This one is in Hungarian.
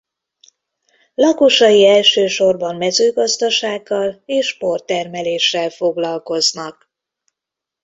Lakosai elsősorban mezőgazdasággal és bortermeléssel foglalkoznak.